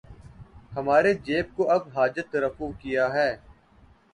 ہمارے جیب کو اب حاجت رفو کیا ہے